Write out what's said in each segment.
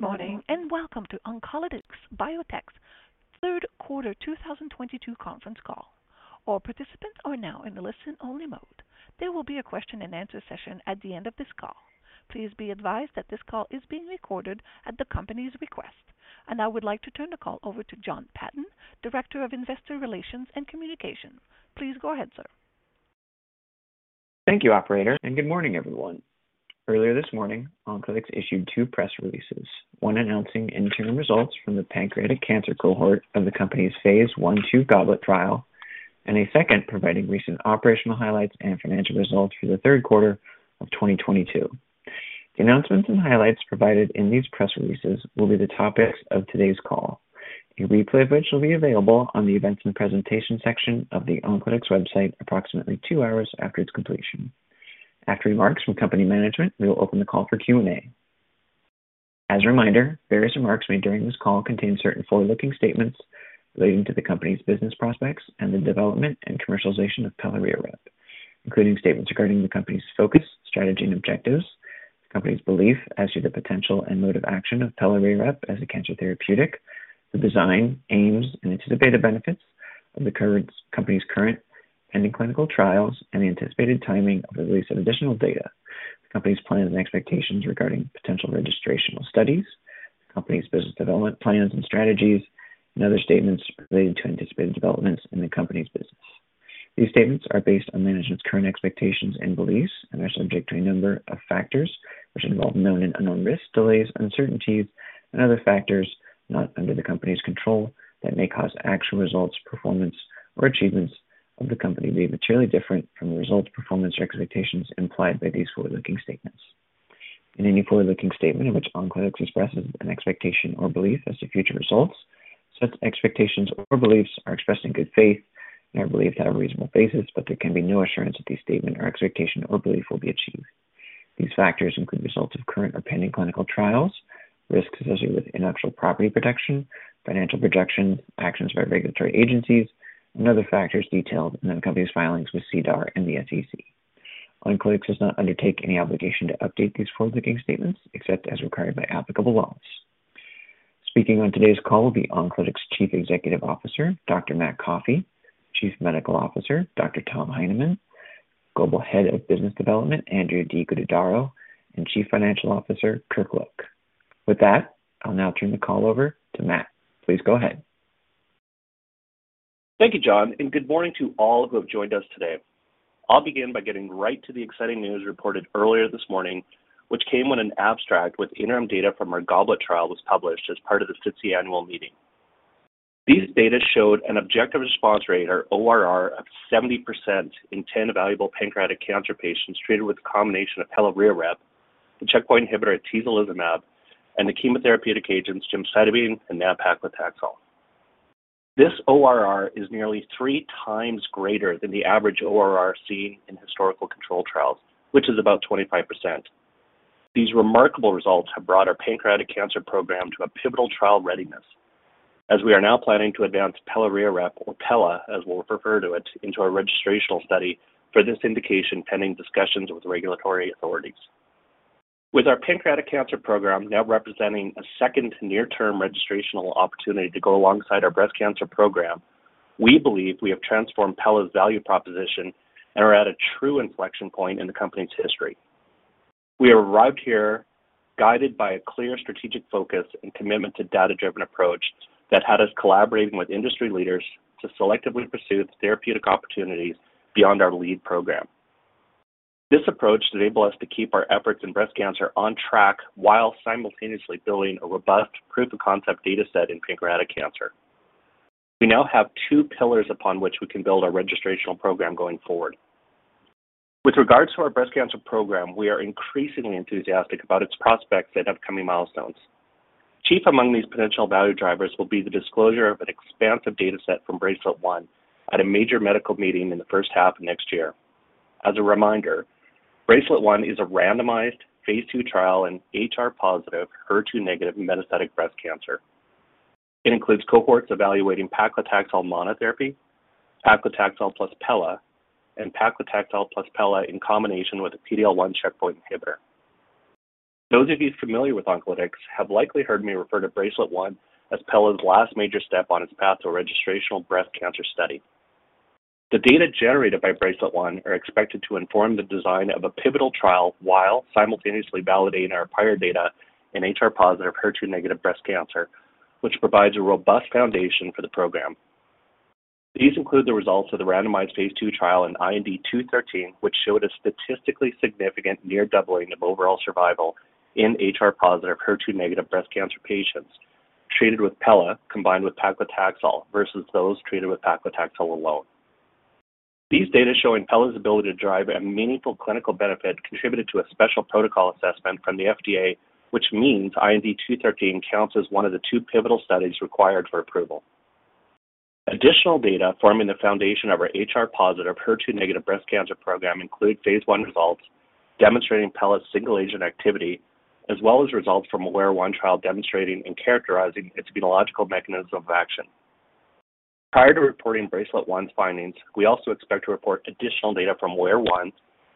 Good morning, and welcome to Oncolytics Biotech's third quarter 2022 conference call. All participants are now in the listen-only mode. There will be a question and answer session at the end of this call. Please be advised that this call is being recorded at the company's request. I would like to turn the call over to Jon Patton, Director of Investor Relations and Communications. Please go ahead, sir. Thank you, operator, and good morning, everyone. Earlier this morning, Oncolytics issued two press releases, one announcing interim results from the pancreatic cancer cohort of the company's Phase 1/2 GOBLET trial, and a second providing recent operational highlights and financial results for the third quarter of 2022. The announcements and highlights provided in these press releases will be the topics of today's call. A replay of which will be available on the Events and Presentation section of the Oncolytics website approximately 2 hours after its completion. After remarks from company management, we will open the call for Q&A. As a reminder, various remarks made during this call contain certain forward-looking statements relating to the company's business prospects and the development and commercialization of pelareorep, including statements regarding the company's focus, strategy, and objectives, the company's belief as to the potential and mode of action of pelareorep as a cancer therapeutic, the design, aims, and anticipated benefits of the company's current pending clinical trials, and the anticipated timing of the release of additional data, the company's plans and expectations regarding potential registrational studies, the company's business development plans and strategies, and other statements relating to anticipated developments in the company's business. These statements are based on management's current expectations and beliefs and are subject to a number of factors, which involve known and unknown risks, delays, uncertainties, and other factors not under the company's control that may cause actual results, performance, or achievements of the company to be materially different from the results, performance, or expectations implied by these forward-looking statements. In any forward-looking statement in which Oncolytics expresses an expectation or belief as to future results, such expectations or beliefs are expressed in good faith and are believed to have a reasonable basis, but there can be no assurance that these statement or expectation or belief will be achieved. These factors include results of current or pending clinical trials, risks associated with intellectual property protection, financial projections, actions by regulatory agencies, and other factors detailed in the company's filings with SEDAR and the SEC. Oncolytics does not undertake any obligation to update these forward-looking statements except as required by applicable laws. Speaking on today's call will be Oncolytics' Chief Executive Officer, Dr. Matt Coffey, Chief Medical Officer, Dr. Thomas Heineman, Global Head of Business Development, Andrew de Guttadauro, and Chief Financial Officer, Kirk Look. With that, I'll now turn the call over to Matt. Please go ahead. Thank you, John, and good morning to all who have joined us today. I'll begin by getting right to the exciting news reported earlier this morning, which came when an abstract with interim data from our GOBLET trial was published as part of the SITC Annual Meeting. These data showed an objective response rate or ORR of 70% in 10 evaluable pancreatic cancer patients treated with a combination of pelareorep, the checkpoint inhibitor atezolizumab, and the chemotherapeutic agents gemcitabine and nab-paclitaxel. This ORR is nearly three times greater than the average ORR seen in historical control trials, which is about 25%. These remarkable results have brought our pancreatic cancer program to a pivotal trial readiness, as we are now planning to advance pelareorep or pella, as we'll refer to it, into a registrational study for this indication, pending discussions with regulatory authorities. With our pancreatic cancer program now representing a second near-term registrational opportunity to go alongside our breast cancer program, we believe we have transformed pelareorep's value proposition and are at a true inflection point in the company's history. We arrived here guided by a clear strategic focus and commitment to data-driven approach that had us collaborating with industry leaders to selectively pursue therapeutic opportunities beyond our lead program. This approach enabled us to keep our efforts in breast cancer on track while simultaneously building a robust proof of concept data set in pancreatic cancer. We now have two pillars upon which we can build our registrational program going forward. With regards to our breast cancer program, we are increasingly enthusiastic about its prospects and upcoming milestones. Chief among these potential value drivers will be the disclosure of an expansive data set from BRACELET-1 at a major medical meeting in the first half of next year. As a reminder, BRACELET-1 is a randomized Phase 2 trial in HR-positive, HER2-negative metastatic breast cancer. It includes cohorts evaluating paclitaxel monotherapy, paclitaxel plus pella, and paclitaxel plus pella in combination with a PD-L1 checkpoint inhibitor. Those of you familiar with Oncolytics have likely heard me refer to BRACELET-1 as pella's last major step on its path to a registrational breast cancer study. The data generated by BRACELET-1 are expected to inform the design of a pivotal trial while simultaneously validating our prior data in HR-positive, HER2-negative breast cancer, which provides a robust foundation for the program. These include the results of the randomized phase 2 trial in IND-213, which showed a statistically significant near doubling of overall survival in HR-positive, HER2-negative breast cancer patients treated with pelareorep combined with paclitaxel versus those treated with paclitaxel alone. These data showing pelareorep's ability to drive a meaningful clinical benefit contributed to a special protocol assessment from the FDA, which means IND-213 counts as one of the two pivotal studies required for approval. Additional data forming the foundation of our HR-positive, HER2-negative breast cancer program include phase 1 results demonstrating pelareorep's single-agent activity, as well as results from AWARE-1 trial demonstrating and characterizing its immunological mechanism of action. Prior to reporting BRACELET-1's findings, we also expect to report additional data from AWARE-1,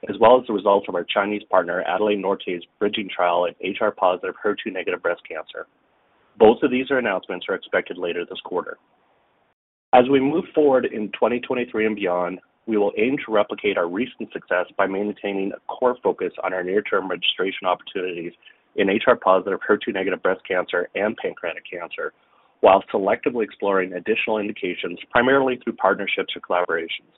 as well as the results from our Chinese partner, Adlai Nortye's bridging trial in HR+ HER2- breast cancer. Both of these announcements are expected later this quarter. As we move forward in 2023 and beyond, we will aim to replicate our recent success by maintaining a core focus on our near-term registration opportunities in HR+ HER2- breast cancer and pancreatic cancer, while selectively exploring additional indications, primarily through partnerships or collaborations.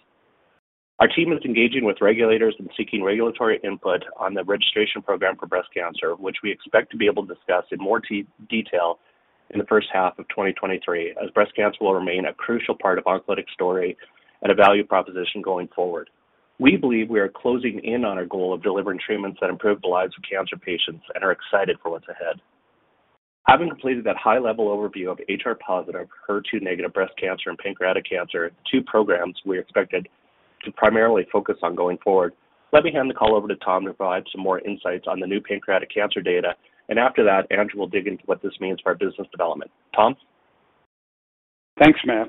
Our team is engaging with regulators and seeking regulatory input on the registration program for breast cancer, which we expect to be able to discuss in more detail in the first half of 2023, as breast cancer will remain a crucial part of Oncolytics's story and a value proposition going forward. We believe we are closing in on our goal of delivering treatments that improve the lives of cancer patients and are excited for what's ahead. Having completed that high-level overview of HR+ HER2- breast cancer and pancreatic cancer, two programs we expected to primarily focus on going forward, let me hand the call over to Tom to provide some more insights on the new pancreatic cancer data. After that, Andrew will dig into what this means for our business development. Tom? Thanks, Matt.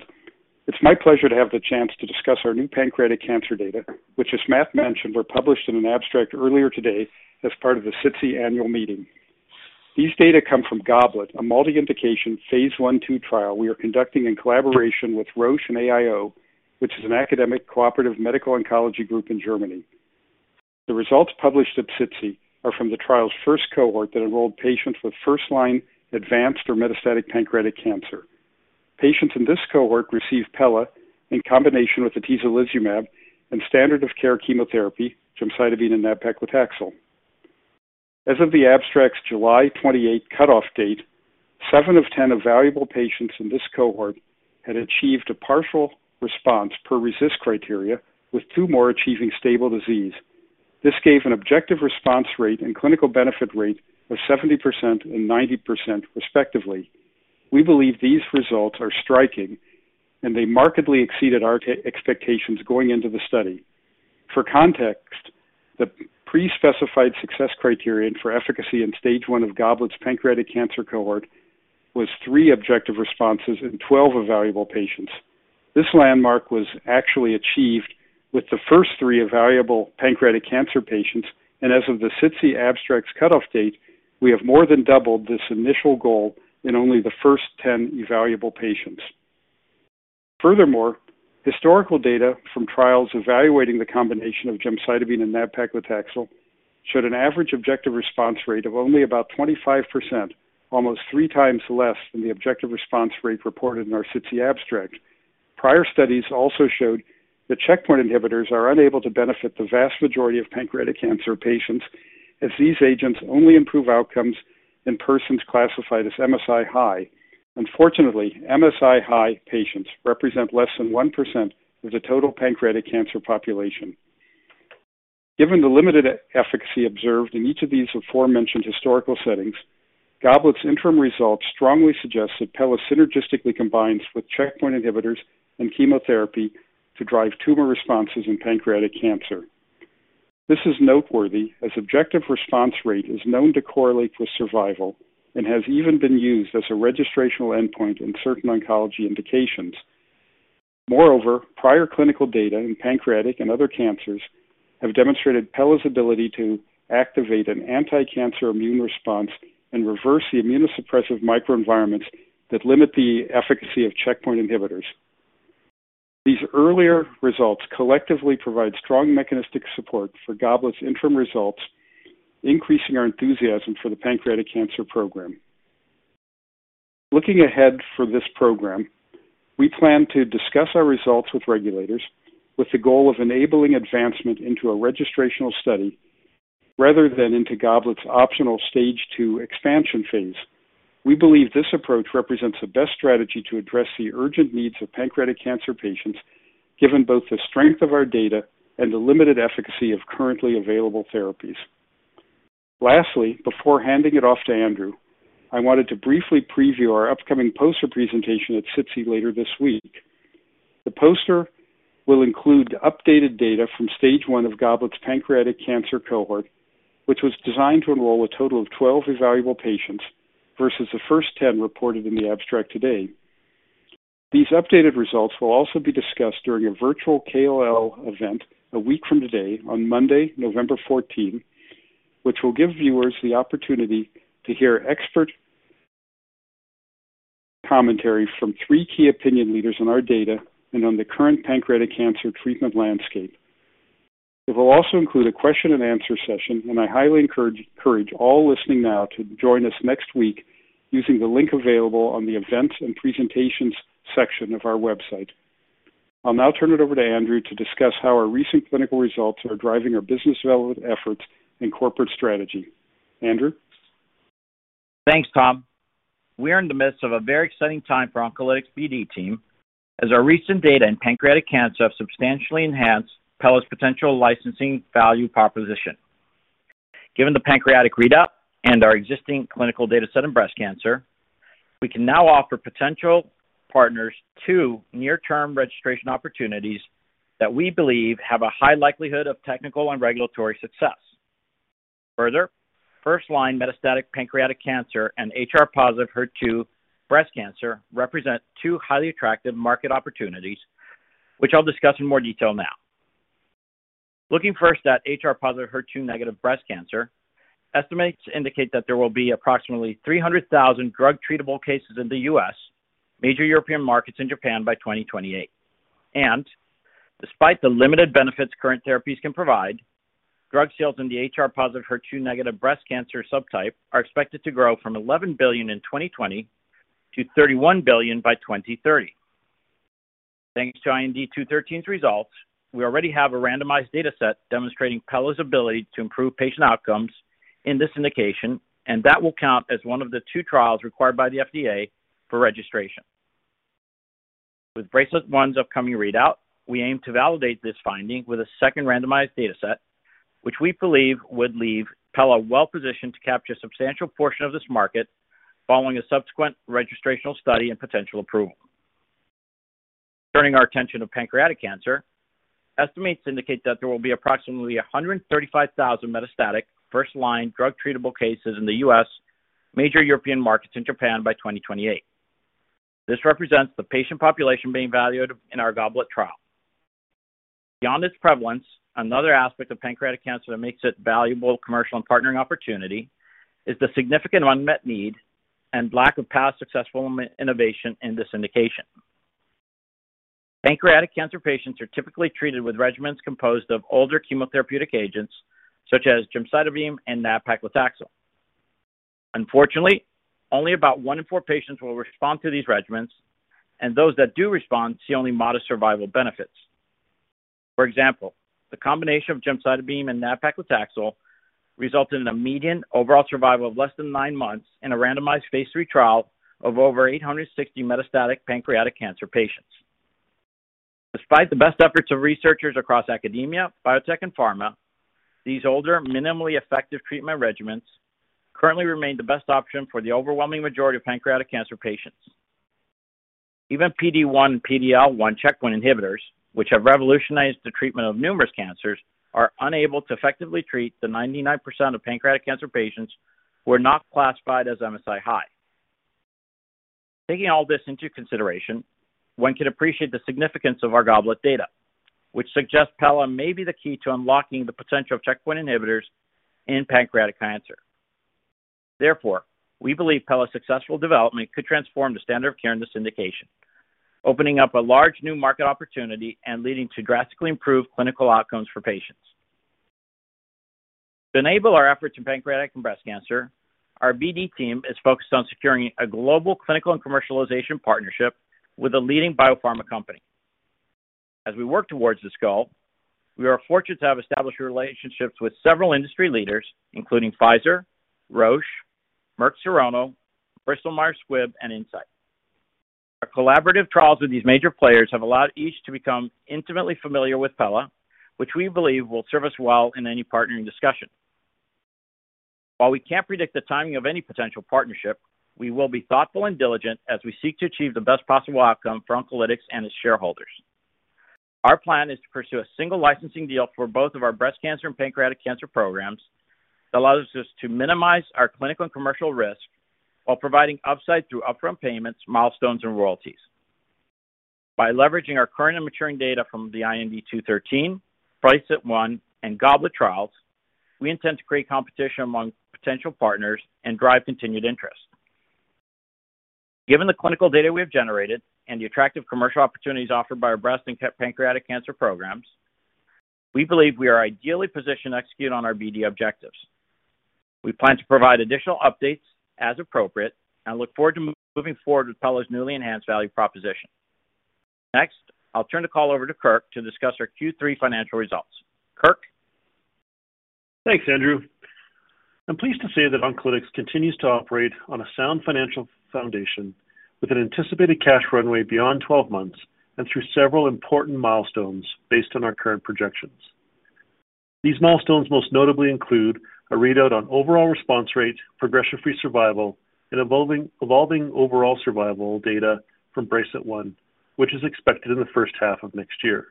It's my pleasure to have the chance to discuss our new pancreatic cancer data, which, as Matt mentioned, were published in an abstract earlier today as part of the SITC Annual Meeting. These data come from GOBLET, a multi-indication phase 1/2 trial we are conducting in collaboration with Roche and AIO, which is an academic cooperative medical oncology group in Germany. The results published at SITC are from the trial's first cohort that enrolled patients with first-line advanced or metastatic pancreatic cancer. Patients in this cohort received pelareorep in combination with atezolizumab and standard of care chemotherapy, gemcitabine and nab-paclitaxel. As of the abstract's July 28 cutoff date, 7 of 10 evaluable patients in this cohort had achieved a partial response per RECIST criteria, with two more achieving stable disease. This gave an objective response rate and clinical benefit rate of 70% and 90% respectively. We believe these results are striking, and they markedly exceeded our expectations going into the study. For context, the pre-specified success criterion for efficacy in stage one of GOBLET's pancreatic cancer cohort was 3 objective responses in 12 evaluable patients. This landmark was actually achieved with the first 3 evaluable pancreatic cancer patients, and as of the SITC abstract's cutoff date, we have more than doubled this initial goal in only the first 10 evaluable patients. Furthermore, historical data from trials evaluating the combination of gemcitabine and nab-paclitaxel showed an average objective response rate of only about 25%, almost three times less than the objective response rate reported in our SITC abstract. Prior studies also showed that checkpoint inhibitors are unable to benefit the vast majority of pancreatic cancer patients, as these agents only improve outcomes in persons classified as MSI-high. Unfortunately, MSI-high patients represent less than 1% of the total pancreatic cancer population. Given the limited efficacy observed in each of these aforementioned historical settings, GOBLET's interim results strongly suggest that pelareorep synergistically combines with checkpoint inhibitors and chemotherapy to drive tumor responses in pancreatic cancer. This is noteworthy, as objective response rate is known to correlate with survival and has even been used as a registrational endpoint in certain oncology indications. Moreover, prior clinical data in pancreatic and other cancers have demonstrated pelareorep's ability to activate an anticancer immune response and reverse the immunosuppressive microenvironments that limit the efficacy of checkpoint inhibitors. These earlier results collectively provide strong mechanistic support for GOBLET's interim results, increasing our enthusiasm for the pancreatic cancer program. Looking ahead for this program, we plan to discuss our results with regulators with the goal of enabling advancement into a registrational study rather than into GOBLET's optional stage 2 expansion phase. We believe this approach represents the best strategy to address the urgent needs of pancreatic cancer patients, given both the strength of our data and the limited efficacy of currently available therapies. Lastly, before handing it off to Andrew, I wanted to briefly preview our upcoming poster presentation at SITC later this week. The poster will include updated data from stage 1 of GOBLET's pancreatic cancer cohort, which was designed to enroll a total of 12 evaluable patients versus the first 10 reported in the abstract today. These updated results will also be discussed during a virtual KOL event a week from today on Monday, November fourteenth, which will give viewers the opportunity to hear expert commentary from three key opinion leaders on our data and on the current pancreatic cancer treatment landscape. It will also include a question and answer session, and I highly encourage all listening now to join us next week using the link available on the Events and Presentations section of our website. I'll now turn it over to Andrew to discuss how our recent clinical results are driving our business development efforts and corporate strategy. Andrew? Thanks, Tom. We are in the midst of a very exciting time for Oncolytics's BD team, as our recent data in pancreatic cancer have substantially enhanced pelareorep's potential licensing value proposition. Given the pancreatic readout and our existing clinical data set in breast cancer, we can now offer potential partners two near-term registration opportunities that we believe have a high likelihood of technical and regulatory success. Further, first-line metastatic pancreatic cancer and HR-positive HER2 breast cancer represent two highly attractive market opportunities, which I'll discuss in more detail now. Looking first at HR-positive HER2-negative breast cancer, estimates indicate that there will be approximately 300,000 drug treatable cases in the U.S., major European markets in Japan by 2028. Despite the limited benefits current therapies can provide, drug sales in the HR-positive HER2-negative breast cancer subtype are expected to grow from $11 billion in 2020 to $31 billion by 2030. Thanks to IND-213's results, we already have a randomized data set demonstrating pelareorep's ability to improve patient outcomes in this indication, and that will count as one of the two trials required by the FDA for registration. With BRACELET-1's upcoming readout, we aim to validate this finding with a second randomized data set, which we believe would leave pelareorep well-positioned to capture a substantial portion of this market following a subsequent registrational study and potential approval. Turning our attention to pancreatic cancer, estimates indicate that there will be approximately 135,000 metastatic first-line drug treatable cases in the US, major European markets in Japan by 2028. This represents the patient population being valued in our GOBLET trial. Beyond its prevalence, another aspect of pancreatic cancer that makes it valuable commercial and partnering opportunity is the significant unmet need and lack of past successful innovation in this indication. Pancreatic cancer patients are typically treated with regimens composed of older chemotherapeutic agents such as gemcitabine and nab-paclitaxel. Unfortunately, only about one in four patients will respond to these regimens, and those that do respond see only modest survival benefits. For example, the combination of gemcitabine and nab-paclitaxel resulted in a median overall survival of less than 9 months in a randomized phase 3 trial of over 860 metastatic pancreatic cancer patients. Despite the best efforts of researchers across academia, biotech and pharma, these older, minimally effective treatment regimens currently remain the best option for the overwhelming majority of pancreatic cancer patients. Even PD-1 and PD-L1 checkpoint inhibitors, which have revolutionized the treatment of numerous cancers, are unable to effectively treat the 99% of pancreatic cancer patients who are not classified as MSI-high. Taking all this into consideration, one can appreciate the significance of our GOBLET data, which suggests pelareorep may be the key to unlocking the potential of checkpoint inhibitors in pancreatic cancer. Therefore, we believe pelareorep's successful development could transform the standard of care in this indication, opening up a large new market opportunity and leading to drastically improved clinical outcomes for patients. To enable our efforts in pancreatic and breast cancer, our BD team is focused on securing a global clinical and commercialization partnership with a leading biopharma company. As we work towards this goal, we are fortunate to have established relationships with several industry leaders, including Pfizer, Roche, Merck Serono, Bristol Myers Squibb, and Incyte. Our collaborative trials with these major players have allowed each to become intimately familiar with pelareorep, which we believe will serve us well in any partnering discussion. While we can't predict the timing of any potential partnership, we will be thoughtful and diligent as we seek to achieve the best possible outcome for Oncolytics and its shareholders. Our plan is to pursue a single licensing deal for both of our breast cancer and pancreatic cancer programs that allows us to minimize our clinical and commercial risk while providing upside through upfront payments, milestones, and royalties. By leveraging our current and maturing data from the IND-213, BRACELET-1, and GOBLET trials, we intend to create competition among potential partners and drive continued interest. Given the clinical data we have generated and the attractive commercial opportunities offered by our breast and pancreatic cancer programs, we believe we are ideally positioned to execute on our BD objectives. We plan to provide additional updates as appropriate and look forward to moving forward with pelareorep's newly enhanced value proposition. Next, I'll turn the call over to Kirk to discuss our Q3 financial results. Kirk? Thanks, Andrew. I'm pleased to say that Oncolytics continues to operate on a sound financial foundation with an anticipated cash runway beyond 12 months and through several important milestones based on our current projections. These milestones most notably include a readout on overall response rate, progression-free survival, and evolving overall survival data from BRACELET-1, which is expected in the first half of next year.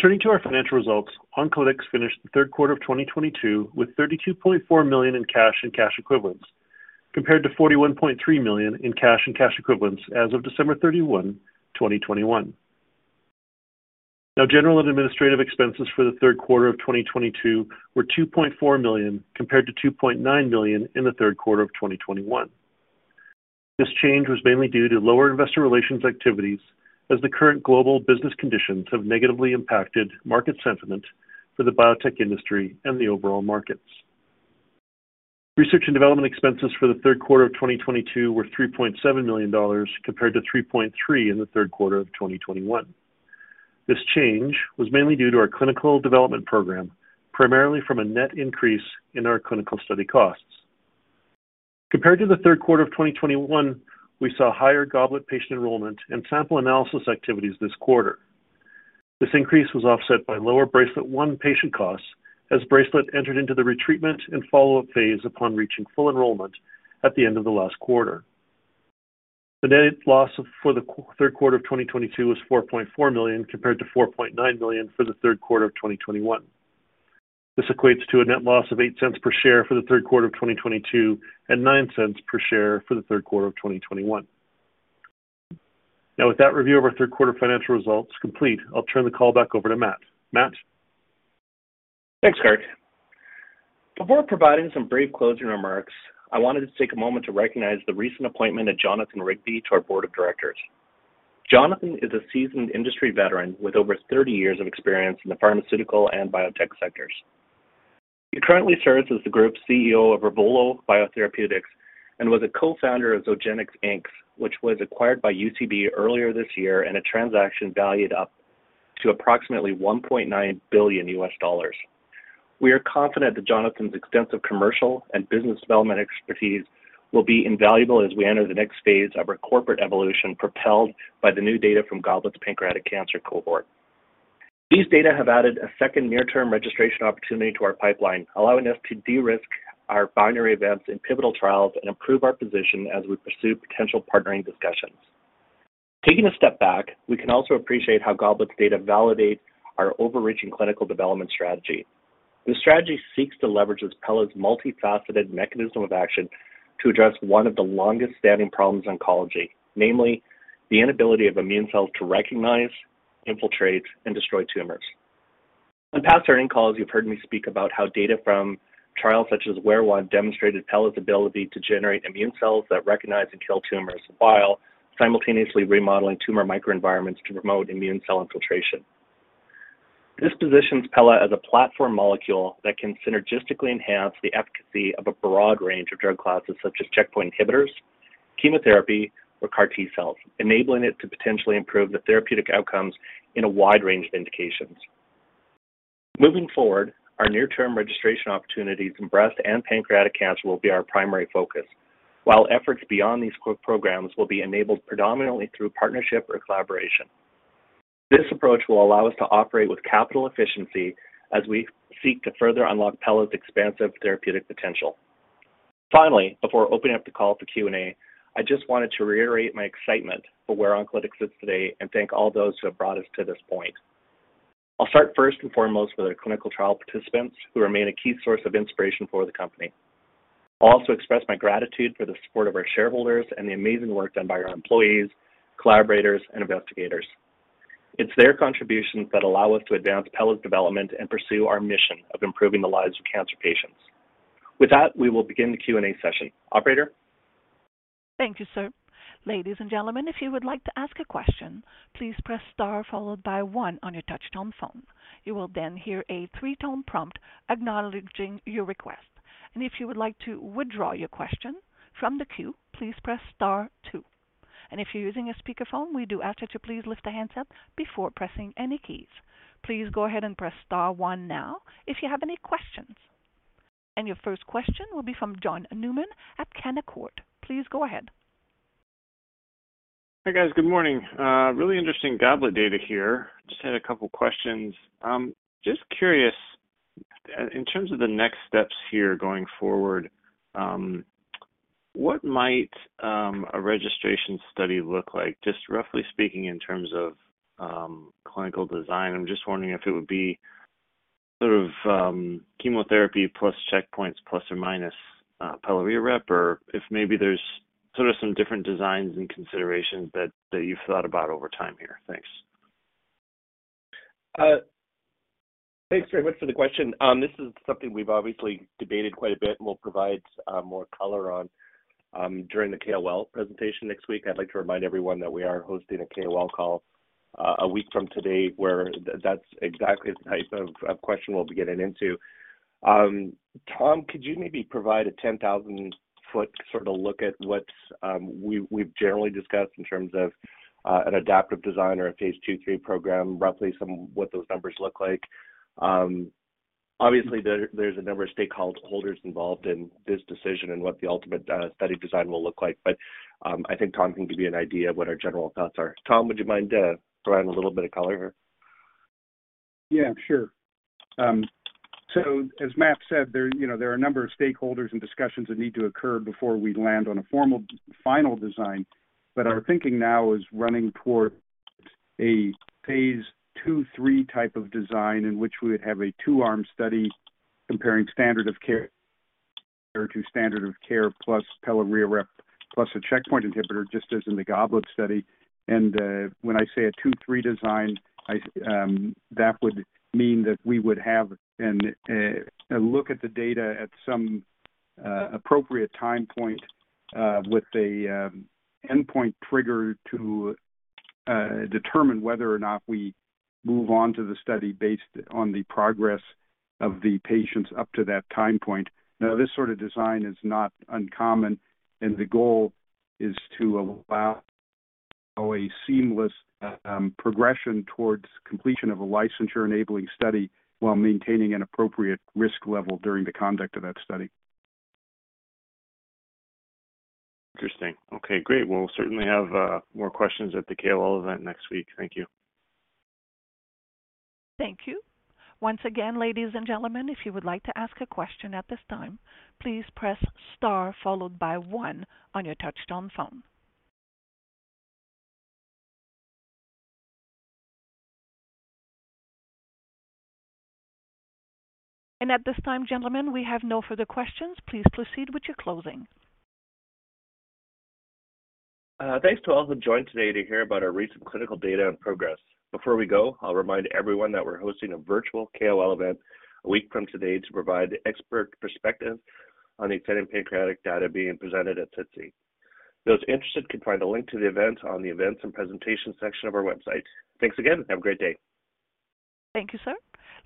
Turning to our financial results, Oncolytics finished the third quarter of 2022 with 32.4 million in cash and cash equivalents, compared to 41.3 million in cash and cash equivalents as of December 31, 2021. General and administrative expenses for the third quarter of 2022 were 2.4 million, compared to 2.9 million in the third quarter of 2021. This change was mainly due to lower investor relations activities as the current global business conditions have negatively impacted market sentiment for the biotech industry and the overall markets. Research and development expenses for the third quarter of 2022 were $3.7 million compared to $3.3 million in the third quarter of 2021. This change was mainly due to our clinical development program, primarily from a net increase in our clinical study costs. Compared to the third quarter of 2021, we saw higher GOBLET patient enrollment and sample analysis activities this quarter. This increase was offset by lower BRACELET-1 patient costs as BRACELET-1 entered into the retreatment and follow-up phase upon reaching full enrollment at the end of the last quarter. The net loss for the third quarter of 2022 was $4.4 million compared to $4.9 million for the third quarter of 2021. This equates to a net loss of $0.08 per share for the third quarter of 2022 and $0.09 per share for the third quarter of 2021. Now, with that review of our third quarter financial results complete, I'll turn the call back over to Matt. Matt? Thanks, Kirk. Before providing some brief closing remarks, I wanted to take a moment to recognize the recent appointment of Jonathan Rigby to our board of directors. Jonathan is a seasoned industry veteran with over 30 years of experience in the pharmaceutical and biotech sectors. He currently serves as the Group CEO of Revolo Biotherapeutics and was a co-founder of Zogenix Inc., which was acquired by UCB earlier this year in a transaction valued up to approximately $1.9 billion. We are confident that Jonathan's extensive commercial and business development expertise will be invaluable as we enter the next phase of our corporate evolution, propelled by the new data from GOBLET's pancreatic cancer cohort. These data have added a second near-term registration opportunity to our pipeline, allowing us to de-risk our binary events in pivotal trials and improve our position as we pursue potential partnering discussions. Taking a step back, we can also appreciate how GOBLET's data validates our overarching clinical development strategy. This strategy seeks to leverage Pela's multifaceted mechanism of action to address one of the longest-standing problems in oncology, namely the inability of immune cells to recognize, infiltrate, and destroy tumors. On past earnings calls, you've heard me speak about how data from trials such as AWARE-1 demonstrated Pela's ability to generate immune cells that recognize and kill tumors while simultaneously remodeling tumor microenvironments to promote immune cell infiltration. This positions Pela as a platform molecule that can synergistically enhance the efficacy of a broad range of drug classes, such as checkpoint inhibitors, chemotherapy, or CAR T-cell, enabling it to potentially improve the therapeutic outcomes in a wide range of indications. Moving forward, our near-term registration opportunities in breast and pancreatic cancer will be our primary focus. While efforts beyond these key programs will be enabled predominantly through partnership or collaboration. This approach will allow us to operate with capital efficiency as we seek to further unlock Pela's expansive therapeutic potential. Finally, before opening up the call for Q&A, I just wanted to reiterate my excitement for where Oncolytics exists today and thank all those who have brought us to this point. I'll start first and foremost with our clinical trial participants who remain a key source of inspiration for the company. I'll also express my gratitude for the support of our shareholders and the amazing work done by our employees, collaborators, and investigators. It's their contributions that allow us to advance Pela's development and pursue our mission of improving the lives of cancer patients. With that, we will begin the Q&A session. Operator? Thank you, sir. Ladies and gentlemen, if you would like to ask a question, please press star followed by one on your touch-tone phone. You will then hear a three-tone prompt acknowledging your request. If you would like to withdraw your question from the queue, please press star two. If you're using a speakerphone, we do ask that you please lift the handset before pressing any keys. Please go ahead and press star one now if you have any questions. Your first question will be from John Newman at Canaccord. Please go ahead. Hey, guys. Good morning. Really interesting GOBLET data here. Just had a couple questions. Just curious, in terms of the next steps here going forward, what might a registration study look like? Just roughly speaking in terms of clinical design. I'm just wondering if it would be sort of chemotherapy plus checkpoints, plus or minus pelareorep, or if maybe there's sort of some different designs and considerations that you've thought about over time here. Thanks. Thanks very much for the question. This is something we've obviously debated quite a bit and we'll provide more color on during the KOL presentation next week. I'd like to remind everyone that we are hosting a KOL call a week from today, where that's exactly the type of question we'll be getting into. Tom, could you maybe provide a 10,000-foot sort of look at what we've generally discussed in terms of an adaptive design or a phase 2/3 program, roughly somewhat those numbers look like? Obviously, there's a number of stakeholders involved in this decision and what the ultimate study design will look like. I think Tom can give you an idea of what our general thoughts are. Tom, would you mind providing a little bit of color here? Yeah, sure. So as Matt said, you know, there are a number of stakeholders and discussions that need to occur before we land on a formal final design. Our thinking now is running toward a phase 2/3 type of design in which we would have a 2-arm study comparing standard of care to standard of care, plus pelareorep, plus a checkpoint inhibitor, just as in the GOBLET study. When I say a 2/3 design, that would mean that we would have a look at the data at some appropriate time point, with a endpoint trigger to determine whether or not we move on to the study based on the progress of the patients up to that time point. Now, this sort of design is not uncommon, and the goal is to allow a seamless progression towards completion of a licensure-enabling study while maintaining an appropriate risk level during the conduct of that study. Interesting. Okay, great. We'll certainly have more questions at the KOL event next week. Thank you. Thank you. Once again, ladies and gentlemen, if you would like to ask a question at this time, please press star followed by one on your touch-tone phone. At this time, gentlemen, we have no further questions. Please proceed with your closing. Thanks to all who joined today to hear about our recent clinical data and progress. Before we go, I'll remind everyone that we're hosting a virtual KOL event a week from today to provide expert perspective on the exciting pancreatic data being presented at SITC. Those interested can find a link to the event on the Events and Presentation section of our website. Thanks again and have a great day. Thank you, sir.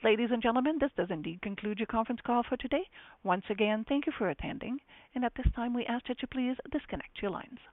Ladies and gentlemen, this does indeed conclude your conference call for today. Once again, thank you for attending. At this time, we ask that you please disconnect your lines.